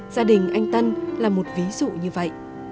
gia đình anh tân là một ví dụ như vậy